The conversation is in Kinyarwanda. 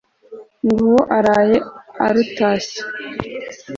nguwo araye arutashye